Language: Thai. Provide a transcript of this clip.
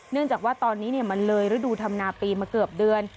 เนื่องจากว่าตอนนี้มันเลยฤดูธรรมนาปีมาเกือบเดือน